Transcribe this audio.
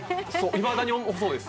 いまだにそうですよ。